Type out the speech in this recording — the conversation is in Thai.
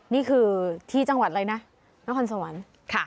นี่คือที่จังหวัดอะไรนะนครสวรรค์